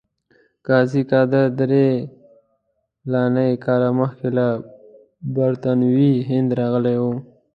قاضي قادر درې فلاني کاله مخکې له برټانوي هند راغلی وو.